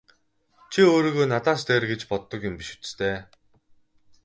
Чи өөрийгөө надаас дээр гэж боддог юм биш биз дээ!